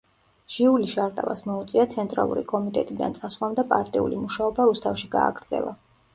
ჟიული შარტავას მოუწია ცენტრალური კომიტეტიდან წასვლამ და პარტიული მუშაობა რუსთავში გააგრძელა.